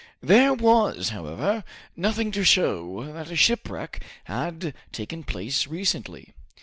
There was, however, nothing to show that a shipwreck had taken place recently.